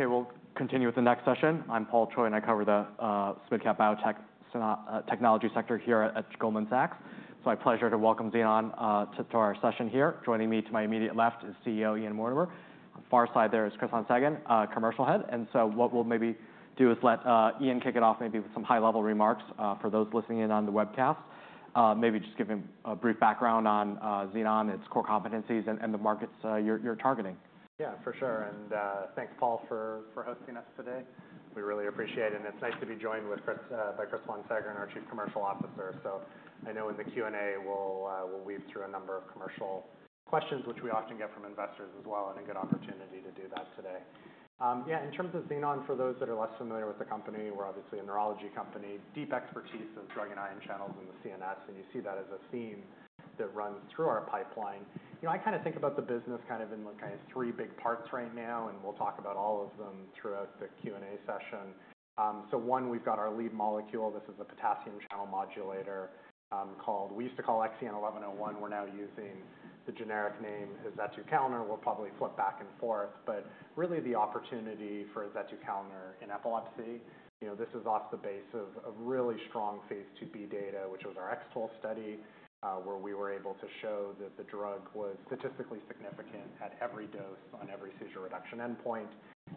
Okay, we'll continue with the next session. I'm Paul Choi, and I cover the mid-cap biotech techno, technology sector here at Goldman Sachs. It's my pleasure to welcome Xenon to our session here. Joining me to my immediate left is CEO Ian Mortimer. On the far side there is Chris Von Seggern, Commercial Head. So what we'll maybe do is let Ian kick it off maybe with some high-level remarks for those listening in on the webcast. Maybe just give him a brief background on Xenon, its core competencies, and the markets you're targeting. Yeah, for sure. And, thanks, Paul, for hosting us today. We really appreciate it, and it's nice to be joined with Chris, by Chris Von Seggern, our Chief Commercial Officer. So I know in the Q&A, we'll weave through a number of commercial questions, which we often get from investors as well, and a good opportunity to do that today. Yeah, in terms of Xenon, for those that are less familiar with the company, we're obviously a neurology company, deep expertise in drug and ion channels in the CNS, and you see that as a theme that runs through our pipeline. You know, I kind of think about the business kind of in, like, kind of three big parts right now, and we'll talk about all of them throughout the Q&A session. So one, we've got our lead molecule. This is a potassium channel modulator called. We used to call XEN1101. We're now using the generic name, ezetucalner. We'll probably flip back and forth, but really the opportunity for ezetucalner in epilepsy, you know, this is off the base of a really strong phase II-B data, which was our X-TOLE study, where we were able to show that the drug was statistically significant at every dose on every seizure reduction endpoint.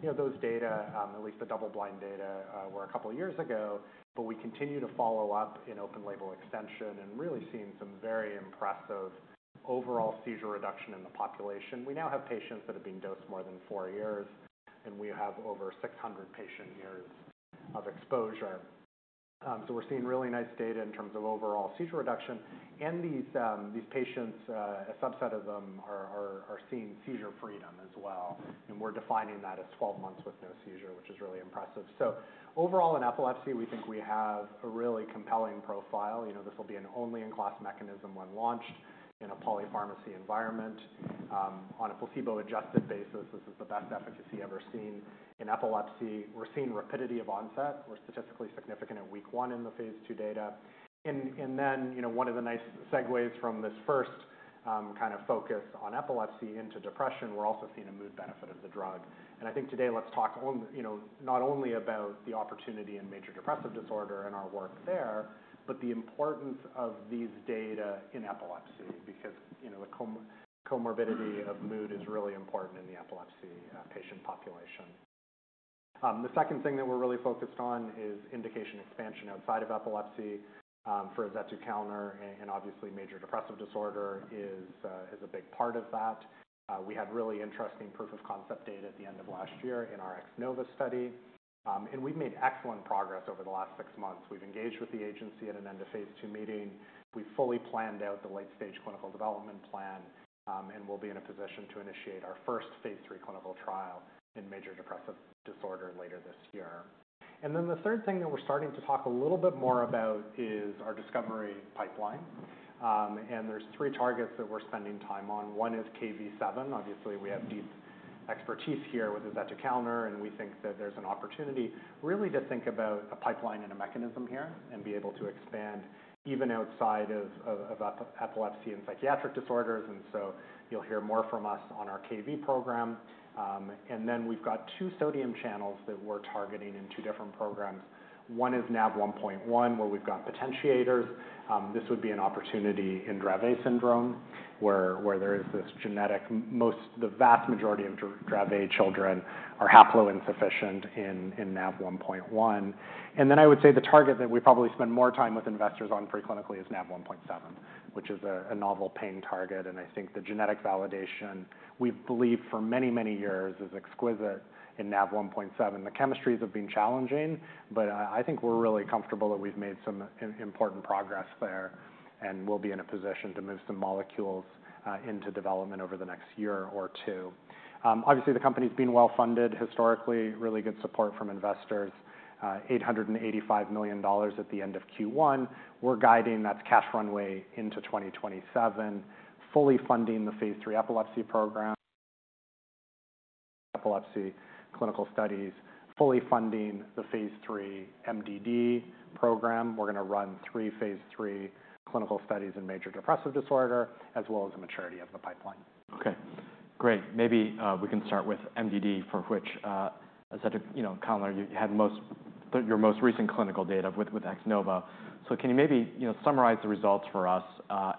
You know, those data, at least the double-blind data, were a couple of years ago, but we continue to follow up in open label extension and really seeing some very impressive overall seizure reduction in the population. We now have patients that have been dosed more than four years, and we have over 600 patient years of exposure. So we're seeing really nice data in terms of overall seizure reduction. These patients, a subset of them are seeing seizure freedom as well, and we're defining that as 12 months with no seizure, which is really impressive. So overall, in epilepsy, we think we have a really compelling profile. You know, this will be an only-in-class mechanism when launched in a polypharmacy environment. On a placebo-adjusted basis, this is the best efficacy ever seen in epilepsy. We're seeing rapidity of onset. We're statistically significant at week 1 in the phase II data. And then, you know, one of the nice segues from this first, kind of focus on epilepsy into depression, we're also seeing a mood benefit of the drug. I think today let's talk on, you know, not only about the opportunity in major depressive disorder and our work there, but the importance of these data in epilepsy, because, you know, the comorbidity of mood is really important in the epilepsy patient population. The second thing that we're really focused on is indication expansion outside of epilepsy for ezetucalner, and obviously, major depressive disorder is a big part of that. We had really interesting proof of concept data at the end of last year in our X-NOVA study, and we've made excellent progress over the last six months. We've engaged with the agency at an end of phase II meeting. We've fully planned out the late-stage clinical development plan, and we'll be in a position to initiate our first phase III clinical trial in major depressive disorder later this year. And then the third thing that we're starting to talk a little bit more about is our discovery pipeline, and there's three targets that we're spending time on. One is Kv7. Obviously, we have deep expertise here with ezetucalner, and we think that there's an opportunity really to think about a pipeline and a mechanism here, and be able to expand even outside of epilepsy and psychiatric disorders. And so you'll hear more from us on our Kv program. And then we've got two sodium channels that we're targeting in two different programs. One is Nav1.1, where we've got potentiators. This would be an opportunity in Dravet syndrome, where there is this genetic—Most, the vast majority of Dravet children are haploinsufficient in Nav1.1. And then I would say the target that we probably spend more time with investors on preclinically is Nav1.7, which is a novel pain target, and I think the genetic validation, we've believed for many, many years, is exquisite in Nav1.7. The chemistries have been challenging, but I think we're really comfortable that we've made some important progress there, and we'll be in a position to move some molecules into development over the next year or two. Obviously, the company's been well-funded historically, really good support from investors, $885 million at the end of Q1. We're guiding to a cash runway into 2027, fully funding the phase III epilepsy program, epilepsy clinical studies, fully funding the phase III MDD program. We're going to run three phase III clinical studies in major depressive disorder, as well as the maturity of the pipeline. Okay, great. Maybe we can start with MDD, for which ezetucalner, you know, you had most- your most recent clinical data with, with X-NOVA. So can you maybe, you know, summarize the results for us,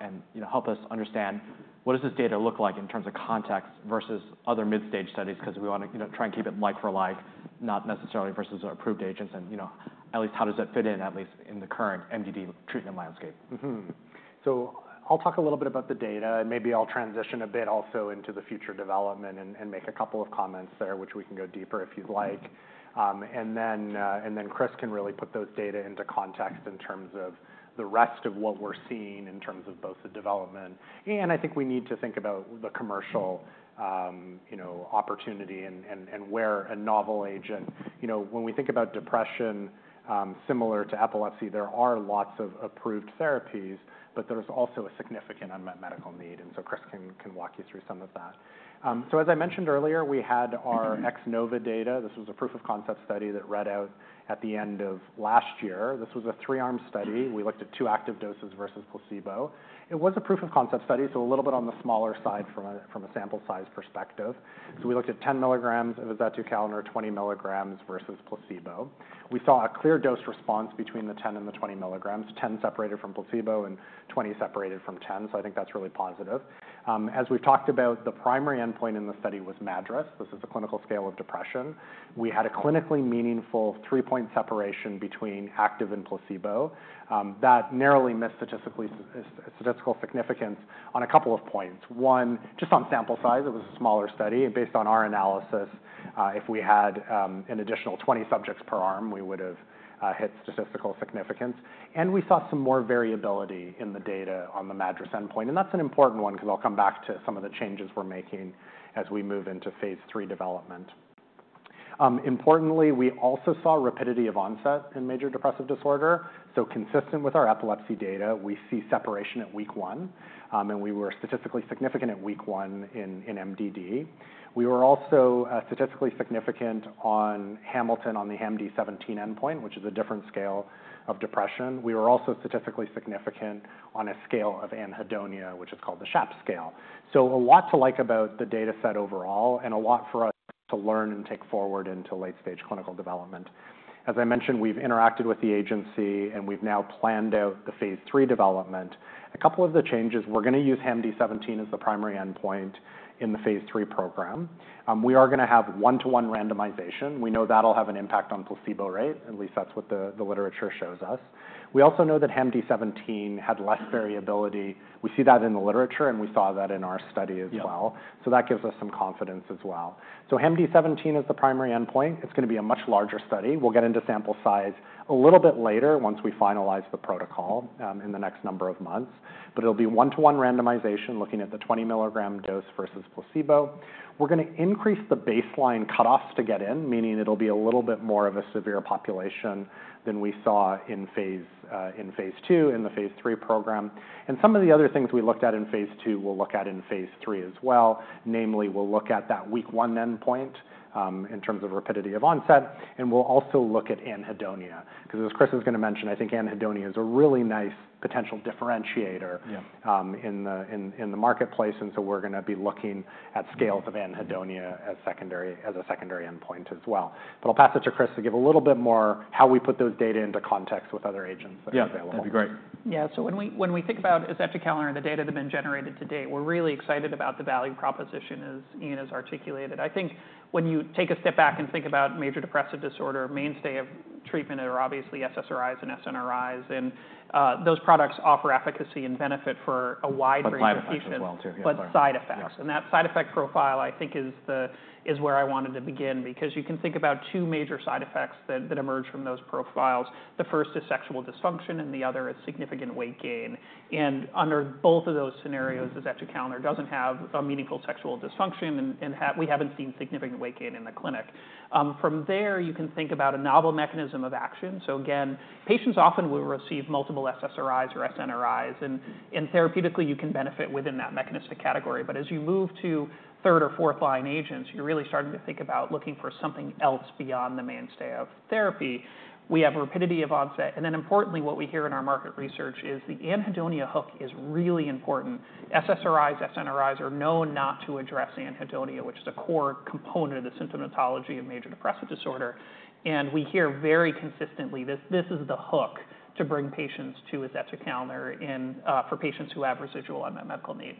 and, you know, help us understand what does this data look like in terms of context versus other mid-stage studies? Because we want to, you know, try and keep it like for like, not necessarily versus approved agents. And, you know, at least how does that fit in, at least in the current MDD treatment landscape? Mm-hmm. So I'll talk a little bit about the data, and maybe I'll transition a bit also into the future development and make a couple of comments there, which we can go deeper if you'd like. Then Chris can really put those data into context in terms of the rest of what we're seeing, in terms of both the development. I think we need to think about the commercial, you know, opportunity and where a novel agent, you know, when we think about depression, similar to epilepsy, there are lots of approved therapies, but there's also a significant unmet medical need, and so Chris can walk you through some of that. So as I mentioned earlier, we had our X-NOVA data. This was a proof of concept study that read out at the end of last year. This was a three-arm study. We looked at two active doses versus placebo. It was a proof of concept study, so a little bit on the smaller side from a sample size perspective. So we looked at 10 mg of ezetucalner, 20 mg versus placebo. We saw a clear dose response between the 10 mg and the 20 mg, 10 separated from placebo and 20 separated from 10, so I think that's really positive. As we've talked about, the primary endpoint in the study was MADRS. This is a clinical scale of depression. We had a clinically meaningful 3-point separation between active and placebo. That narrowly missed statistical significance on a couple of points. One, just on sample size, it was a smaller study, and based on our analysis, if we had an additional 20 subjects per arm, we would have hit statistical significance. We saw some more variability in the data on the MADRS endpoint, and that's an important one because I'll come back to some of the changes we're making as we move into phase III development. Importantly, we also saw rapidity of onset in major depressive disorder. Consistent with our epilepsy data, we see separation at week one, and we were statistically significant at week one in MDD. We were also statistically significant on Hamilton, on the HAMD-17 endpoint, which is a different scale of depression. We were also statistically significant on a scale of anhedonia, which is called the SHAP scale. So a lot to like about the dataset overall, and a lot for us to learn and take forward into late-stage clinical development. As I mentioned, we've interacted with the agency, and we've now planned out the phase III development. A couple of the changes, we're going to use HAMD-17 as the primary endpoint in the phase III program. We are going to have 1:1 randomization. We know that'll have an impact on placebo rate, at least that's what the literature shows us. We also know that HAMD-17 had less variability. We see that in the literature, and we saw that in our study as well. Yeah. So that gives us some confidence as well. So HAMD-17 is the primary endpoint. It's going to be a much larger study. We'll get into sample size a little bit later once we finalize the protocol in the next number of months. But it'll be 1:1 randomization, looking at the 20 mg dose versus placebo. We're going to increase the baseline cutoffs to get in, meaning it'll be a little bit more of a severe population than we saw in phase II in the phase III program. And some of the other things we looked at in phase II, we'll look at in phase III as well. Namely, we'll look at that week 1 endpoint in terms of rapidity of onset, and we'll also look at anhedonia. Because as Chris is going to mention, I think anhedonia is a really nice potential differentiator- Yeah... in the marketplace, and so we're going to be looking at scales of anhedonia as secondary, as a secondary endpoint as well. But I'll pass it to Chris to give a little bit more how we put those data into context with other agents that are available. Yeah, that'd be great. Yeah. So when we, when we think about ezetucalner and the data that's been generated to date, we're really excited about the value proposition, as Ian has articulated. I think when you take a step back and think about major depressive disorder, mainstay of treatment are obviously SSRIs and SNRIs, and those products offer efficacy and benefit for a wide range of patients- But side effects as well, too. Yeah.... But side effects. Yeah. That side effect profile, I think, is where I wanted to begin because you can think about two major side effects that emerge from those profiles. The first is sexual dysfunction, and the other is significant weight gain. Under both of those scenarios, ezetucalner doesn't have a meaningful sexual dysfunction, and we haven't seen significant weight gain in the clinic. From there, you can think about a novel mechanism of action. Again, patients often will receive multiple SSRIs or SNRIs, and therapeutically, you can benefit within that mechanistic category. But as you move to third or fourth line agents, you're really starting to think about looking for something else beyond the mainstay of therapy. We have a rapidity of onset, and then importantly, what we hear in our market research is the anhedonia hook is really important. SSRIs, SNRIs are known not to address anhedonia, which is a core component of the symptomatology of major depressive disorder. We hear very consistently that this is the hook to bring patients to ezetucalner in, for patients who have residual unmet medical need.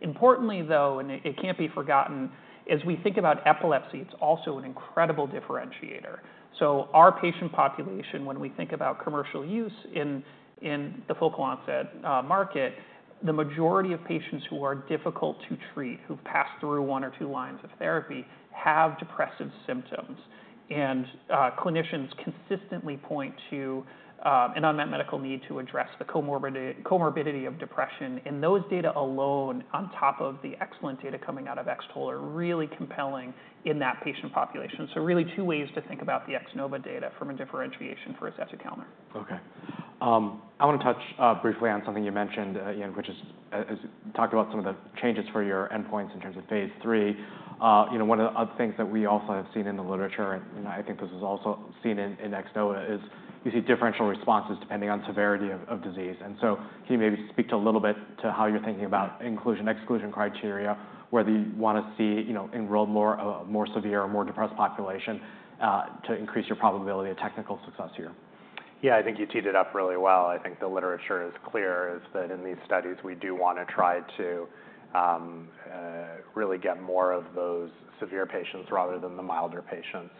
Importantly, though, it can't be forgotten, as we think about epilepsy, it's also an incredible differentiator. So our patient population, when we think about commercial use in the focal onset market, the majority of patients who are difficult to treat, who've passed through one or two lines of therapy, have depressive symptoms. Clinicians consistently point to an unmet medical need to address the comorbidity of depression. Those data alone, on top of the excellent data coming out of X-TOLE, are really compelling in that patient population. Really two ways to think about the X-NOVA data from a differentiation for ezetucalner. Okay. I want to touch briefly on something you mentioned, Ian, which is, as we talked about some of the changes for your endpoints in terms of phase III. You know, one of the other things that we also have seen in the literature, and I think this was also seen in, in X-NOVA, is you see differential responses depending on severity of, of disease. And so can you maybe speak to a little bit to how you're thinking about inclusion/exclusion criteria, whether you want to see, you know, enroll more, more severe or more depressed population, to increase your probability of technical success here? Yeah, I think you teed it up really well. I think the literature is clear, is that in these studies, we do want to try to really get more of those severe patients rather than the milder patients.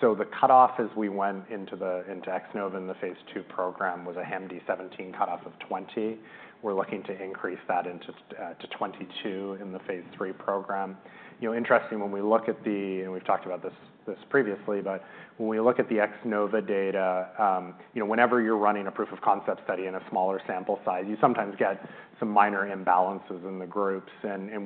So the cutoff as we went into the X-NOVA in the phase II program was a HAMD-17 cutoff of 20. We're looking to increase that into to 22 in the phase III program. You know, interesting, when we look at the and we've talked about this, this previously, but when we look at the X-NOVA data, you know, whenever you're running a proof of concept study in a smaller sample size, you sometimes get some minor imbalances in the groups.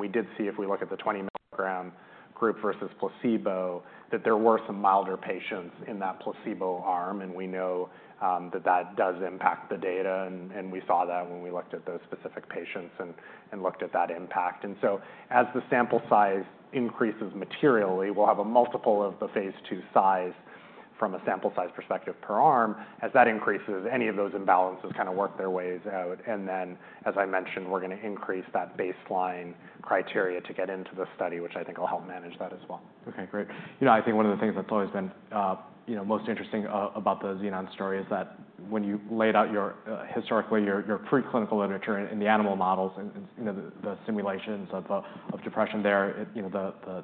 We did see, if we look at the 20 mg group versus placebo, that there were some milder patients in that placebo arm, and we know that that does impact the data, and we saw that when we looked at those specific patients and looked at that impact. So as the sample size increases materially, we'll have a multiple of the phase II size from a sample size perspective per arm. As that increases, any of those imbalances kind of work their ways out. Then, as I mentioned, we're going to increase that baseline criteria to get into the study, which I think will help manage that as well. Okay, great. You know, I think one of the things that's always been, you know, most interesting about the Xenon story is that when you laid out your, historically, your preclinical literature in the animal models and, you know,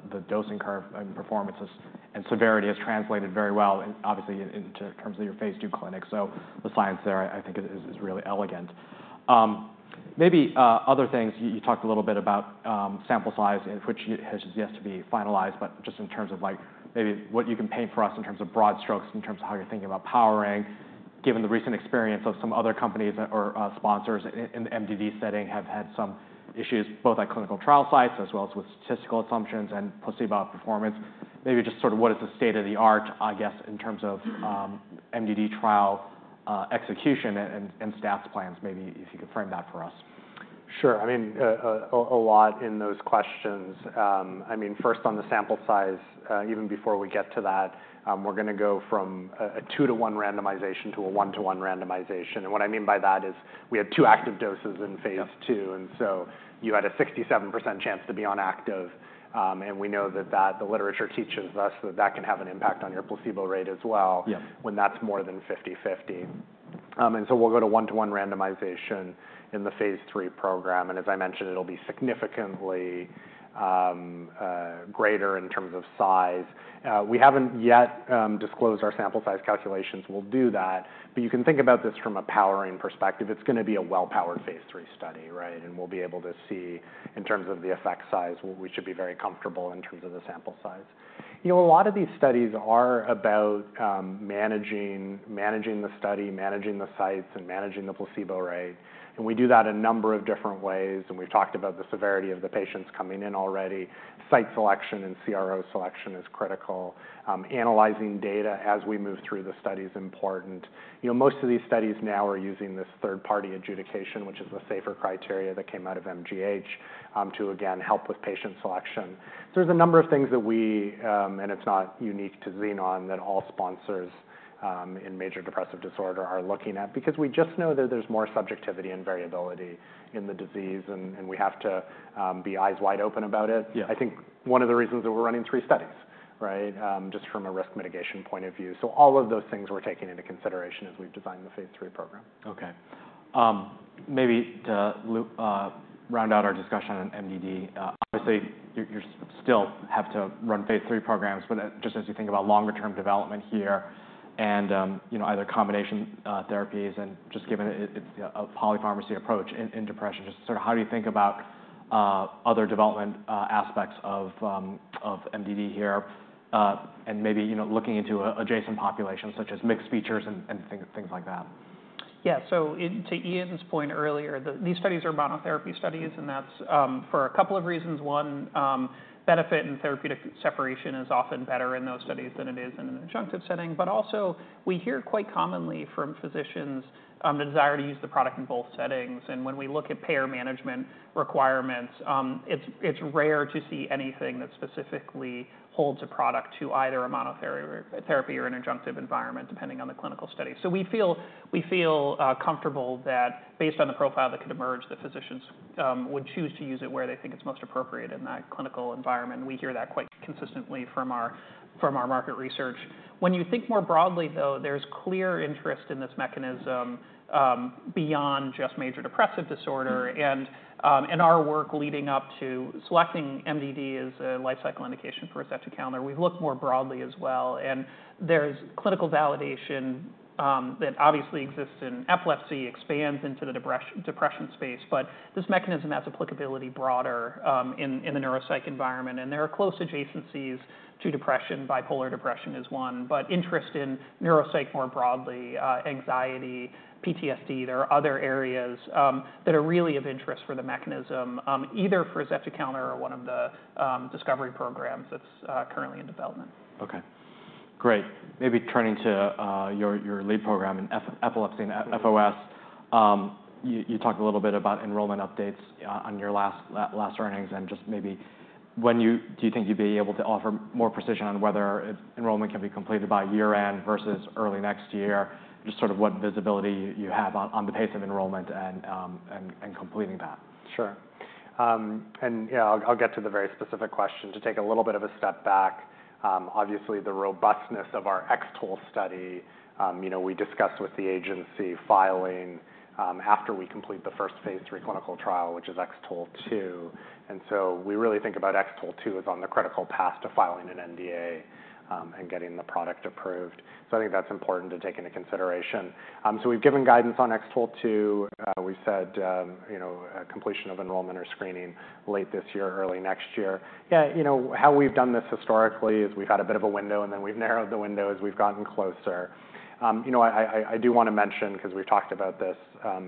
the dosing curve and performances and severity has translated very well, and obviously in terms of your phase II clinic. So the science there, I think, is really elegant. Maybe other things, you talked a little bit about sample size and which has yet to be finalized, but just in terms of like maybe what you can paint for us in terms of broad strokes, in terms of how you're thinking about powering, given the recent experience of some other companies or sponsors in the MDD setting have had some issues, both at clinical trial sites as well as with statistical assumptions and placebo performance. Maybe just sort of what is the state-of-the-art, I guess, in terms of MDD trial execution and stats plans. Maybe if you could frame that for us. Sure. I mean, a lot in those questions. I mean, first on the sample size, even before we get to that, we're going to go from a 2-to-1 randomization to a 1-to-1 randomization. And what I mean by that is we had two active doses in phase II- Yeah... and so you had a 67% chance to be on active. And we know that the literature teaches us that that can have an impact on your placebo rate as well- Yeah - when that's more than 50/50. And so we'll go to 1:1 randomization in the phase III program, and as I mentioned, it'll be significantly greater in terms of size. We haven't yet disclosed our sample size calculations. We'll do that, but you can think about this from a powering perspective. It's going to be a well-powered phase III study, right? And we'll be able to see in terms of the effect size, we should be very comfortable in terms of the sample size. You know, a lot of these studies are about, managing, managing the study, managing the sites, and managing the placebo rate, and we do that a number of different ways, and we've talked about the severity of the patients coming in already. Site selection and CRO selection is critical. Analyzing data as we move through the study is important. You know, most of these studies now are using this third-party adjudication, which is a safer criteria that came out of MGH, to again, help with patient selection. There's a number of things that we, and it's not unique to Xenon, that all sponsors, in major depressive disorder are looking at because we just know that there's more subjectivity and variability in the disease, and, and we have to, be eyes wide open about it. Yeah. I think one of the reasons that we're running three studies, right? Just from a risk mitigation point of view. All of those things we're taking into consideration as we've designed the phase III program. Okay. Maybe to loop round out our discussion on MDD, obviously, you, you still have to run phase III programs, but just as you think about longer-term development here and, you know, either combination therapies and just given it, it's a polypharmacy approach in, in depression, just sort of how do you think about, other development aspects of, of MDD here, and maybe, you know, looking into adjacent populations, such as mixed features and, and things, things like that? Yeah. So to Ian's point earlier, these studies are monotherapy studies, and that's for a couple of reasons. One, benefit and therapeutic separation is often better in those studies than it is in an adjunctive setting. But also, we hear quite commonly from physicians the desire to use the product in both settings. And when we look at label management requirements, it's rare to see anything that specifically holds a product to either a monotherapy or an adjunctive environment, depending on the clinical study. So we feel comfortable that based on the profile that could emerge, the physicians would choose to use it where they think it's most appropriate in that clinical environment. We hear that quite consistently from our market research. When you think more broadly, though, there's clear interest in this mechanism, beyond just major depressive disorder. Mm-hmm. Our work leading up to selecting MDD as a life cycle indication for ezetucalner, we've looked more broadly as well, and there's clinical validation that obviously exists in epilepsy, expands into the depression space. But this mechanism has applicability broader in the neuropsych environment, and there are close adjacencies to depression. Bipolar depression is one, but interest in neuropsych more broadly, anxiety, PTSD, there are other areas that are really of interest for the mechanism, either for ezetucalner or one of the discovery programs that's currently in development. Okay, great. Maybe turning to your lead program in epilepsy and FOS. You talked a little bit about enrollment updates on your last earnings and just maybe when you do you think you'd be able to offer more precision on whether its enrollment can be completed by year-end versus early next year? Just sort of what visibility you have on the pace of enrollment and completing that. Sure. And, yeah, I'll get to the very specific question. To take a little bit of a step back, obviously, the robustness of our X-TOLE study, you know, we discussed with the agency filing after we complete the first Phase III clinical trial, which is X-TOLE 2. And so we really think about X-TOLE 2 as on the critical path to filing an NDA, and getting the product approved. So I think that's important to take into consideration. So we've given guidance on X-TOLE 2. We said, you know, completion of enrollment or screening late this year, early next year. Yeah, you know, how we've done this historically is we've had a bit of a window, and then we've narrowed the window as we've gotten closer. You know, I do wanna mention, 'cause we've talked about this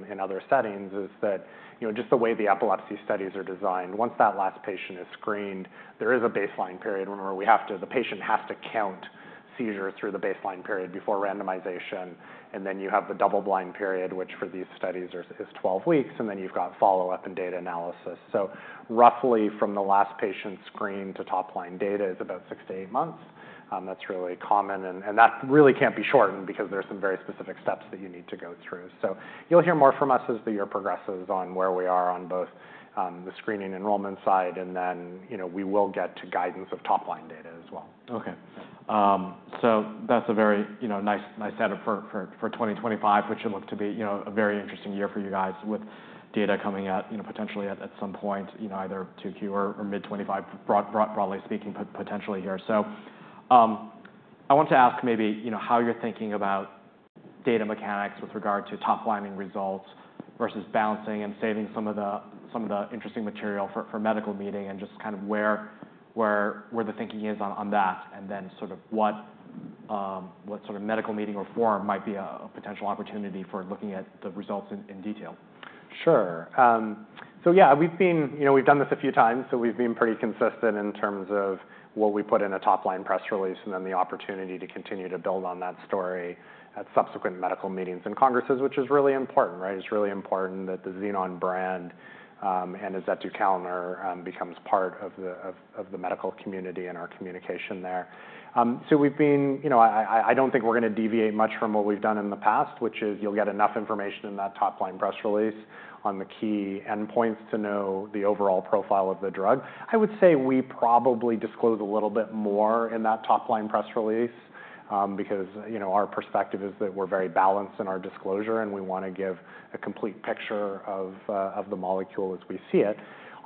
in other settings, is that, you know, just the way the epilepsy studies are designed, once that last patient is screened, there is a baseline period where the patient has to count seizures through the baseline period before randomization, and then you have the double-blind period, which for these studies is 12 weeks, and then you've got follow-up and data analysis. So roughly from the last patient screening to top-line data is about 6-8 months. That's really common, and that really can't be shortened because there are some very specific steps that you need to go through. You'll hear more from us as the year progresses on where we are on both, the screening enrollment side, and then, you know, we will get to guidance of top-line data as well. Okay. So that's a very, you know, nice, nice setup for 2025, which it looks to be, you know, a very interesting year for you guys with data coming out, you know, potentially at some point, you know, either Q2 or mid 2025, broadly speaking, potentially here. So, I want to ask maybe, you know, how you're thinking about data mechanics with regard to top-lining results versus balancing and saving some of the interesting material for medical meeting, and just kind of where the thinking is on that, and then sort of what sort of medical meeting or forum might be a potential opportunity for looking at the results in detail? Sure. So yeah, we've been. You know, we've done this a few times, so we've been pretty consistent in terms of what we put in a top-line press release, and then the opportunity to continue to build on that story at subsequent medical meetings and congresses, which is really important, right? It's really important that the Xenon brand and ezetucalner becomes part of the medical community and our communication there. So we've been. You know, I don't think we're gonna deviate much from what we've done in the past, which is you'll get enough information in that top-line press release on the key endpoints to know the overall profile of the drug. I would say we probably disclose a little bit more in that top-line press release, because, you know, our perspective is that we're very balanced in our disclosure, and we wanna give a complete picture of the molecule as we see it.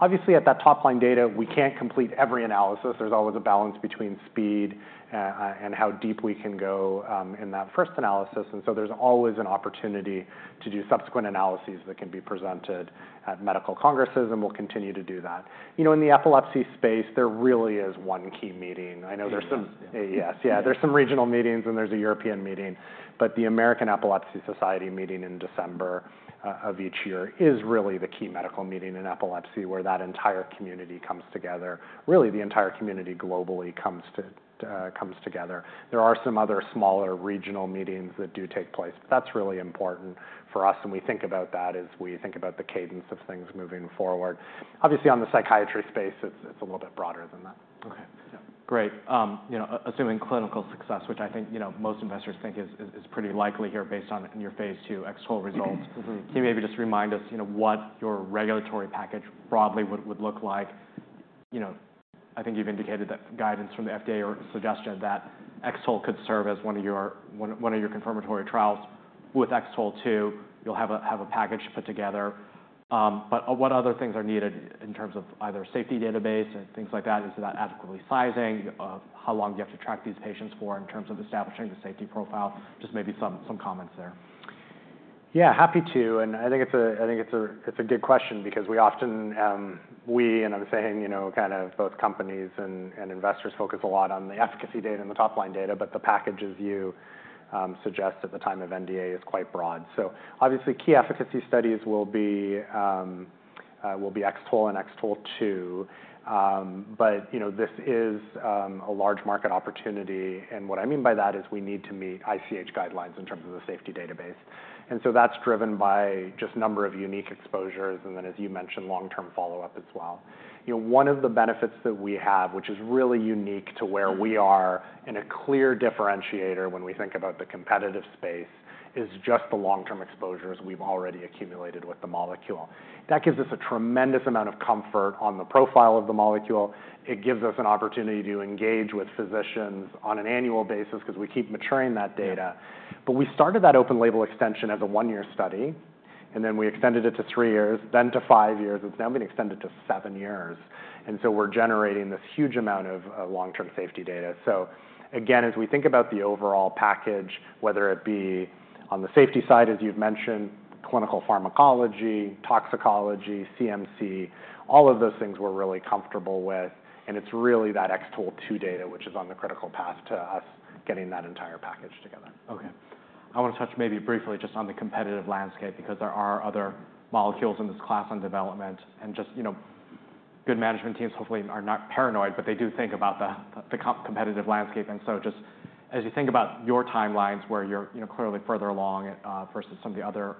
Obviously, at that top-line data, we can't complete every analysis. There's always a balance between speed, and how deep we can go, in that first analysis, and so there's always an opportunity to do subsequent analyses that can be presented at medical congresses, and we'll continue to do that. You know, in the epilepsy space, there really is one key meeting. I know there's some- AES. AES, yeah. There's some regional meetings, and there's a European meeting, but the American Epilepsy Society meeting in December of each year is really the key medical meeting in epilepsy, where that entire community comes together. Really, the entire community globally comes to, comes together. There are some other smaller regional meetings that do take place, but that's really important for us, and we think about that as we think about the cadence of things moving forward. Obviously, on the psychiatry space, it's, it's a little bit broader than that. Okay. Great. You know, assuming clinical success, which I think, you know, most investors think is pretty likely here based on your phase II X-TOLE results. Mm-hmm. Can you maybe just remind us, you know, what your regulatory package broadly would look like? You know, I think you've indicated that guidance from the FDA or suggestion that X-TOLE could serve as one of your confirmatory trials with X-TOLE 2, you'll have a package to put together. But what other things are needed in terms of either safety database and things like that? Is that adequately sizing? How long do you have to track these patients for in terms of establishing the safety profile? Just maybe some comments there. Yeah, happy to, and I think it's a good question because we often, and I'm saying, you know, kind of both companies and investors focus a lot on the efficacy data and the top-line data, but the package, as you suggest at the time of NDA, is quite broad. So obviously, key efficacy studies will be X-TOLE and X-TOLE 2. But, you know, this is a large market opportunity, and what I mean by that is we need to meet ICH guidelines in terms of the safety database. And so that's driven by just number of unique exposures, and then, as you mentioned, long-term follow-up as well. You know, one of the benefits that we have, which is really unique to where we are, and a clear differentiator when we think about the competitive space, is just the long-term exposures we've already accumulated with the molecule. That gives us a tremendous amount of comfort on the profile of the molecule. It gives us an opportunity to engage with physicians on an annual basis because we keep maturing that data. But we started that open label extension as a 1-year study, and then we extended it to 3 years, then to 5 years. It's now been extended to 7 years, and so we're generating this huge amount of long-term safety data. So again, as we think about the overall package, whether it be on the safety side, as you've mentioned, clinical pharmacology, toxicology, CMC, all of those things we're really comfortable with, and it's really that X-TOLE 2 data, which is on the critical path to us getting that entire package together. Okay. I want to touch maybe briefly just on the competitive landscape, because there are other molecules in this class on development and just, you know—good management teams hopefully are not paranoid, but they do think about the competitive landscape. And so just as you think about your timelines, where you're, you know, clearly further along versus some of the other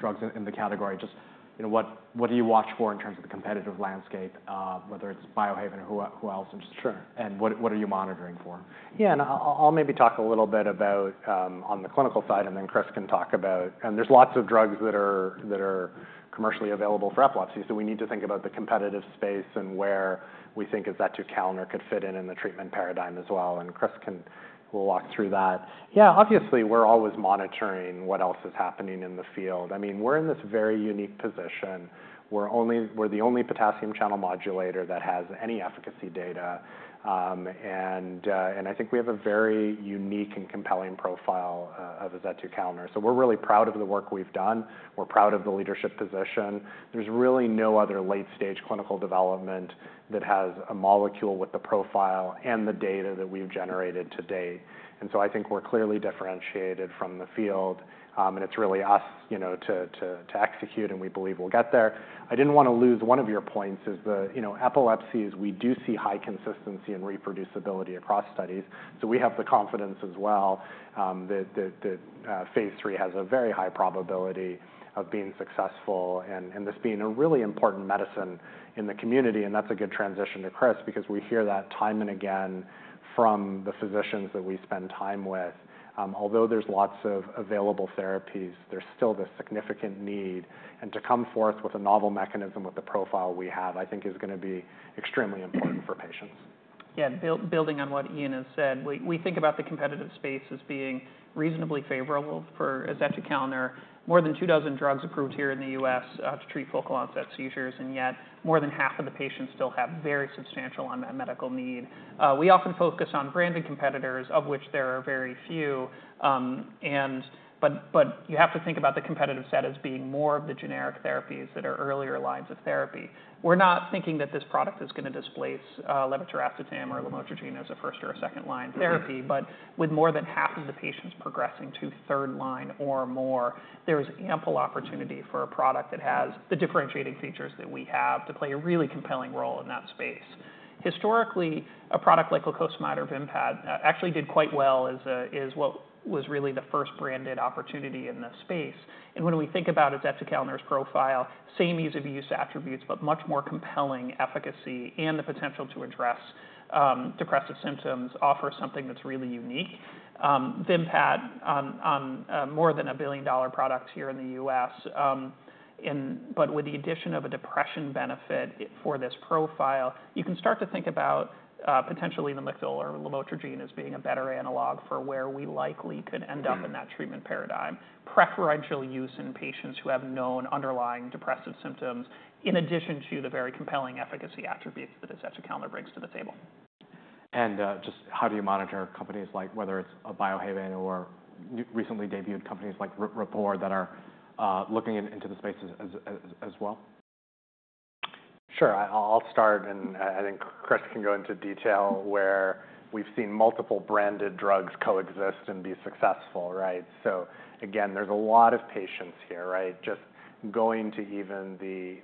drugs in the category, just, you know, what do you watch for in terms of the competitive landscape, whether it's Biohaven or who else? And just- Sure. What, what are you monitoring for? Yeah, and I'll maybe talk a little bit about on the clinical side, and then Chris can talk about... And there's lots of drugs that are commercially available for epilepsy, so we need to think about the competitive space and where we think is ezetucalner could fit in in the treatment paradigm as well, and Chris will walk through that. Yeah, obviously, we're always monitoring what else is happening in the field. I mean, we're in this very unique position, we're the only potassium channel modulator that has any efficacy data. And I think we have a very unique and compelling profile of ezetucalner. So we're really proud of the work we've done. We're proud of the leadership position. There's really no other late-stage clinical development that has a molecule with the profile and the data that we've generated to date. And so I think we're clearly differentiated from the field, and it's really us, you know, to execute, and we believe we'll get there. I didn't want to lose one of your points is the, you know, epilepsy, is we do see high consistency and reproducibility across studies. So we have the confidence as well, that phase III has a very high probability of being successful and this being a really important medicine in the community. And that's a good transition to Chris, because we hear that time and again from the physicians that we spend time with. Although there's lots of available therapies, there's still this significant need, and to come forth with a novel mechanism, with the profile we have, I think is going to be extremely important for patients. Yeah, building on what Ian has said, we think about the competitive space as being reasonably favorable for ezetucalner. More than 24 drugs approved here in the U.S. to treat focal onset seizures, and yet more than half of the patients still have very substantial unmet medical need. We often focus on branded competitors, of which there are very few. But you have to think about the competitive set as being more of the generic therapies that are earlier lines of therapy. We're not thinking that this product is going to displace levetiracetam or lamotrigine as a first or a second line therapy, but with more than half of the patients progressing to third line or more, there is ample opportunity for a product that has the differentiating features that we have to play a really compelling role in that space. Historically, a product like lacosamide or Vimpat, actually did quite well as, as what was really the first branded opportunity in this space. When we think about ezetucalner's profile, same ease of use attributes, but much more compelling efficacy and the potential to address, depressive symptoms, offer something that's really unique. Vimpat, a more than a $1 billion-dollar product here in the U.S., but with the addition of a depression benefit for this profile, you can start to think about, potentially Lamictal or lamotrigine as being a better analog for where we likely could end up- Mm-hmm... in that treatment paradigm. Preferential use in patients who have known underlying depressive symptoms, in addition to the very compelling efficacy attributes that ezetucalner brings to the table. Just how do you monitor companies like whether it's a Biohaven or recently debuted companies like Rapport that are looking into the space as well? Sure. I'll start, and I think Chris can go into detail where we've seen multiple branded drugs coexist and be successful, right? So again, there's a lot of patients here, right? Just going to even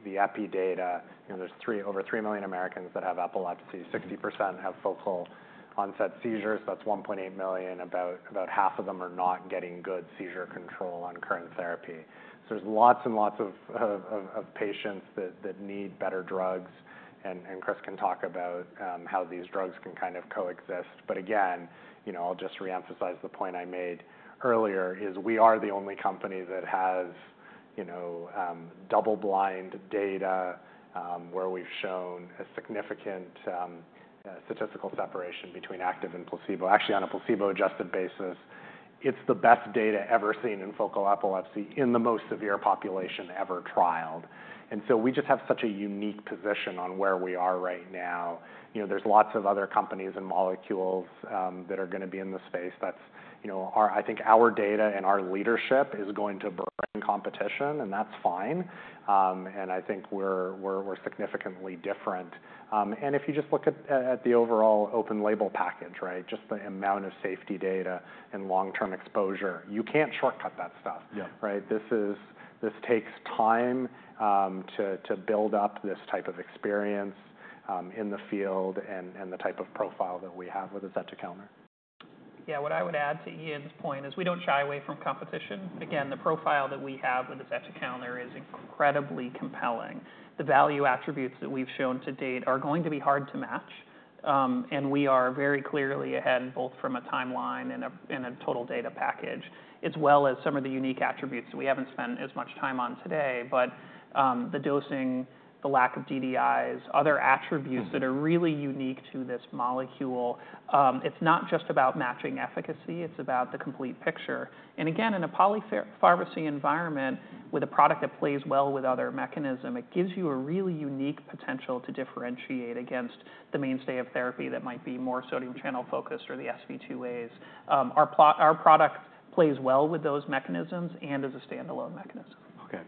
the Epi data, you know, there's over 3 million Americans that have epilepsy, 60% have focal onset seizures. That's 1.8 million. About half of them are not getting good seizure control on current therapy. So there's lots and lots of patients that need better drugs, and Chris can talk about how these drugs can kind of coexist. But again, you know, I'll just reemphasize the point I made earlier, is we are the only company that has double blind data where we've shown a significant statistical separation between active and placebo. Actually, on a placebo-adjusted basis, it's the best data ever seen in focal epilepsy in the most severe population ever trialed. So we just have such a unique position on where we are right now. You know, there's lots of other companies and molecules that are going to be in the space. That's... You know, our, I think our data and our leadership is going to bring competition, and that's fine. And I think we're significantly different. And if you just look at the overall open label package, right? Just the amount of safety data and long-term exposure. You can't shortcut that stuff. Yeah. Right? This takes time to build up this type of experience in the field and the type of profile that we have with ezetucalner. Yeah. What I would add to Ian's point is, we don't shy away from competition. Again, the profile that we have with ezetucalner is incredibly compelling. The value attributes that we've shown to date are going to be hard to match, and we are very clearly ahead, both from a timeline and a total data package, as well as some of the unique attributes that we haven't spent as much time on today. But, the dosing, the lack of DDIs, other attributes- Mm-hmm... that are really unique to this molecule. It's not just about matching efficacy, it's about the complete picture. And again, in a polypharmacy environment, with a product that plays well with other mechanism, it gives you a really unique potential to differentiate against the mainstay of therapy that might be more sodium channel focused or the SV2As. Our product plays well with those mechanisms and as a standalone mechanism. Okay.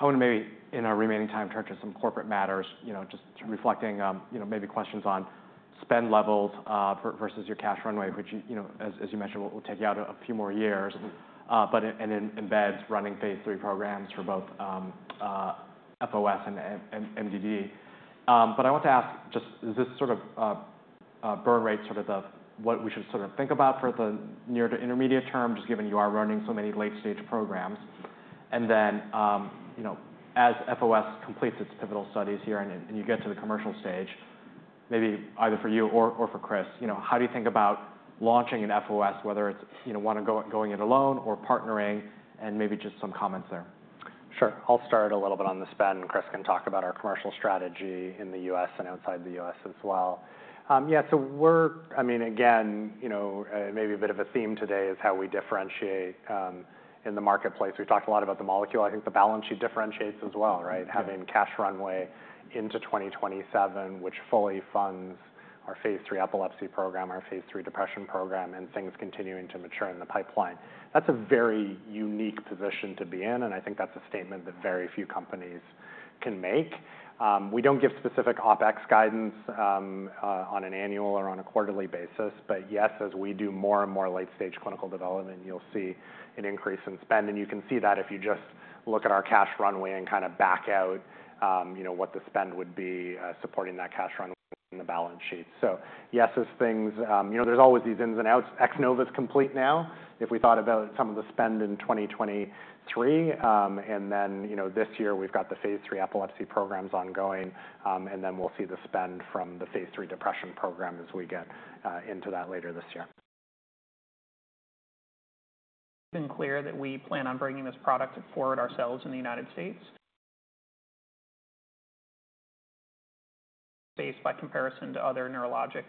I want to, maybe, in our remaining time, turn to some corporate matters, you know, just reflecting, you know, maybe questions on spend levels versus your cash runway, which, you know, as, as you mentioned, will take you out a few more years. Mm-hmm. But we're running phase III programs for both FOS and MDD. But I want to ask just, is this sort of a burn rate, sort of what we should sort of think about for the near to intermediate term, just given you are running so many late-stage programs? And then, you know, as FOS completes its pivotal studies here and you get to the commercial stage, maybe either for you or for Chris, you know, how do you think about launching an FOS, whether it's, you know, going it alone or partnering, and maybe just some comments there? Sure. I'll start a little bit on the spend, and Chris can talk about our commercial strategy in the U.S. and outside the U.S. as well. Yeah, so I mean, again, you know, maybe a bit of a theme today is how we differentiate in the marketplace. We've talked a lot about the molecule. I think the balance sheet differentiates as well, right? Yeah. Having cash runway into 2027, which fully funds our phase III epilepsy program, our phase III depression program, and things continuing to mature in the pipeline. That's a very unique position to be in, and I think that's a statement that very few companies can make. We don't give specific OpEx guidance on an annual or on a quarterly basis, but yes, as we do more and more late-stage clinical development, you'll see an increase in spend. And you can see that if you just look at our cash runway and kind of back out, you know, what the spend would be supporting that cash runway in the balance sheet. So yes, as things you know, there's always these ins and outs. X-NOVA's complete now. If we thought about some of the spend in 2023, and then, you know, this year we've got the phase III epilepsy programs ongoing, and then we'll see the spend from the phase III depression program as we get into that later this year. Been clear that we plan on bringing this product forward ourselves in the United States. Based by comparison to other neurologic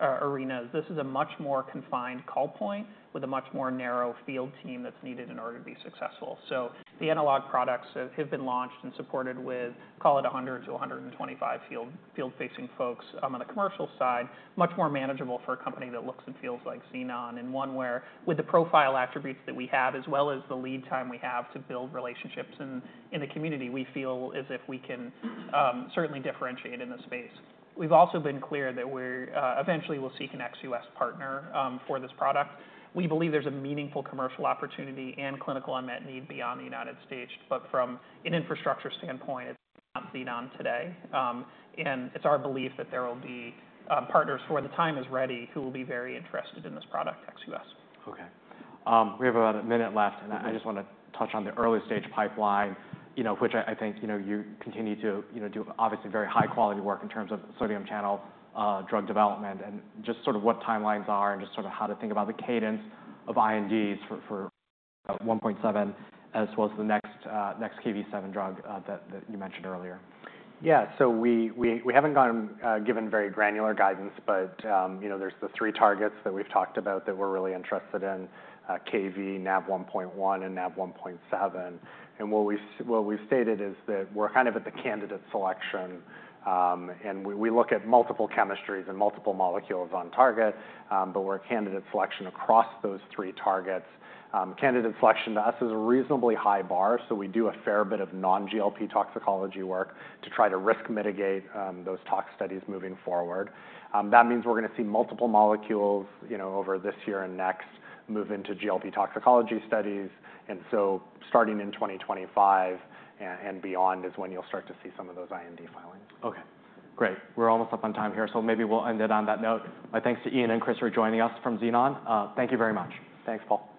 arenas, this is a much more confined call point with a much more narrow field team that's needed in order to be successful. So the analog products have been launched and supported with, call it 100 to 125 field-facing folks on the commercial side. Much more manageable for a company that looks and feels like Xenon, and one where, with the profile attributes that we have, as well as the lead time we have to build relationships in the community, we feel as if we can certainly differentiate in the space. We've also been clear that we're eventually will seek an ex-U.S. partner for this product. We believe there's a meaningful commercial opportunity and clinical unmet need beyond the United States, but from an infrastructure standpoint, it's not Xenon today. It's our belief that there will be partners when the time is ready who will be very interested in this product, ex-U.S. Okay. We have about a minute left, and I just want to touch on the early stage pipeline, you know, which I think, you know, you continue to, you know, do obviously very high quality work in terms of sodium channel drug development, and just sort of what timelines are and just sort of how to think about the cadence of INDs for 1.7, as well as the next Kv7 drug that you mentioned earlier. Yeah. So we haven't gotten given very granular guidance, but you know, there's the three targets that we've talked about that we're really interested in, Kv7, Nav1.1, and Nav1.7. And what we've stated is that we're kind of at the candidate selection, and we look at multiple chemistries and multiple molecules on target, but we're at candidate selection across those three targets. Candidate selection to us is a reasonably high bar, so we do a fair bit of non-GLP toxicology work to try to risk mitigate those tox studies moving forward. That means we're going to see multiple molecules, you know, over this year and next, move into GLP toxicology studies. And so starting in 2025 and beyond is when you'll start to see some of those IND filings. Okay, great. We're almost up on time here, so maybe we'll end it on that note. My thanks to Ian and Chris for joining us from Xenon. Thank you very much. Thanks, Paul.